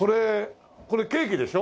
これケーキでしょ？